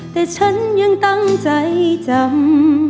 แต่ฉันยังตั้งใจจำ